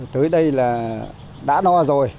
tới đây là đã đo rồi